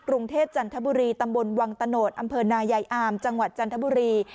กรุงเทพจันทบุรีตำบลวังตะโนธอำเภอนายายอามจังหวัดจันทบุรี